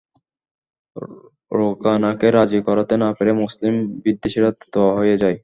রুকানাকে রাজি করাতে না পেরে মুসলিম বিদ্বেষীরা থ হয়ে যায়।